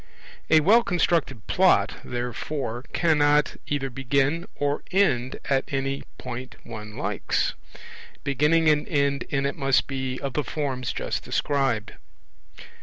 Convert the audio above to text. A well constructed Plot, therefore, cannot either begin or end at any point one likes; beginning and end in it must be of the forms just described.